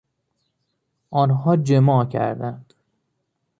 آنها جماع کردند.